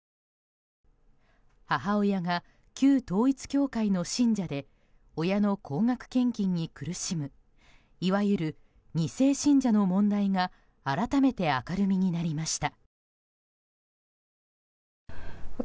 母親が旧統一教会の信者で親の高額献金に苦しむいわゆる２世信者の問題が改めて明るみになりました。